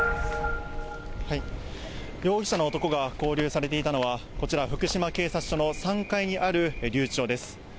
容疑者の男が勾留されていたのは、こちら、福島警察署の３階にある留置場です。